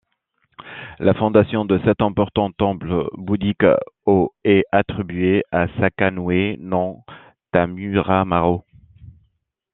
La fondation de cet important temple bouddhique au est attribuée à Sakanoue no Tamuramaro.